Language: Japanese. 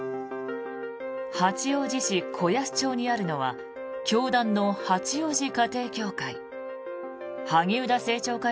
八王子市子安町にあるのは教団の八王子家庭教会。